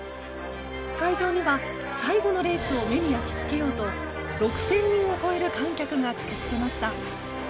会場には最後のレースを目に焼き付けようと６０００人を超える観客が駆けつけました。